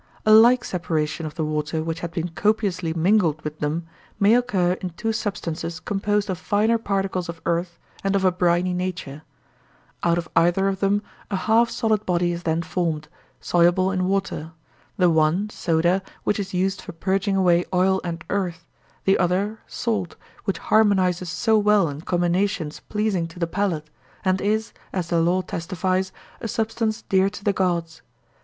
A like separation of the water which had been copiously mingled with them may occur in two substances composed of finer particles of earth and of a briny nature; out of either of them a half solid body is then formed, soluble in water—the one, soda, which is used for purging away oil and earth, the other, salt, which harmonizes so well in combinations pleasing to the palate, and is, as the law testifies, a substance dear to the gods.